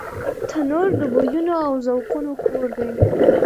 تنور د بویونو او ذوقونو کور دی